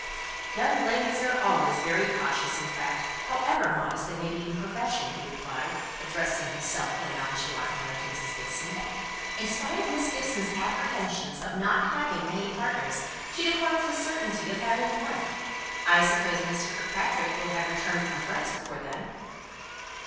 "Young ladies are always very cautious in fact, however modest they may be in profession," he replied, addressing himself in a nonchalant manner to Mrs. Gibson. "In spite of Miss Gibson's apprehension of not having many partners, she declines the certainty of having one. I suppose Miss Kirkpatrick will have returned from France before then?"